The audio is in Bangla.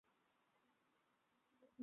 না এখানে না আরেকটু উপরে।